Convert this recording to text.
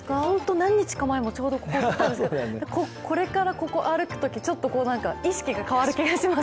何日か前もちょうどここ通ったんですけどこれからここを歩くとき意識が変わる気がします。